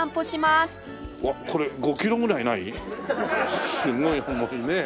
すごい重いねえ。